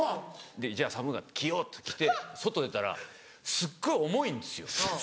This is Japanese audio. じゃあ寒くなって「着よう」って着て外出たらすっごい重いんですよ。